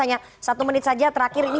hanya satu menit saja terakhir ini